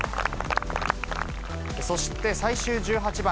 そして、最終１８番。